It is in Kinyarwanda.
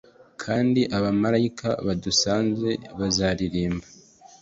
Kandi abamarayika badusanze bazaririmba